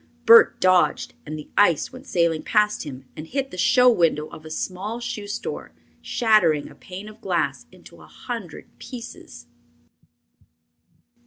Bert dodged, and the ice went sailing past him and hit the show window of a small shoe store, shattering a pane of glass into a hundred pieces.